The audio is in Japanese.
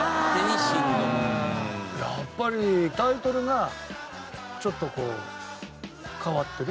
やっぱりタイトルがちょっと変わってる。